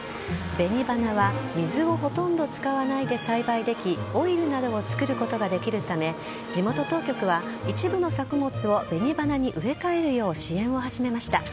紅花は水をほとんど使わないで栽培できオイルなどを作ることができるため地元当局は一部の作物を紅花に植え替えるよう支援を始めました。